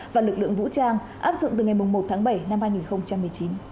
và lực lượng vũ trang áp dụng từ ngày một tháng bảy năm hai nghìn một mươi chín